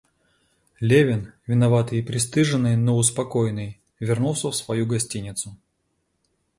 Левин, виноватый и пристыженный, но успокоенный, вернулся в свою гостиницу.